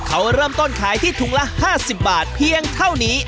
เขาเริ่มต้นขายที่ถุงละ๕๐บาทเพียงเท่านี้